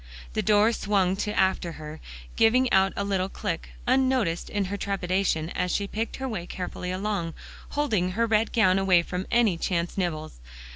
The door swung to after her, giving out a little click, unnoticed in her trepidation as she picked her way carefully along, holding her red gown away from any chance nibbles.